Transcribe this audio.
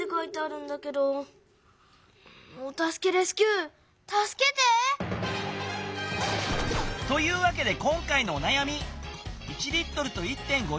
お助けレスキューたすけて！というわけで今回のおなやみ。